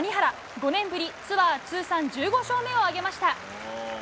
５年ぶり、ツアー通算１５勝目を挙げました。